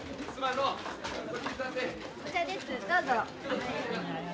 どうぞ。